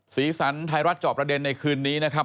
สีสันไทยรัฐจอบประเด็นในคืนนี้นะครับ